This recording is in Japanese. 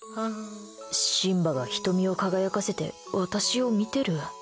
シンバが瞳を輝かせて私を見てる。